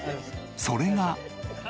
それが。